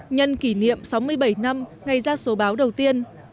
nhân kỷ niệm sáu mươi bảy năm ngày ra số báo đầu tiên